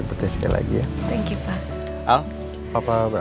burus ya saya pampil dulu ya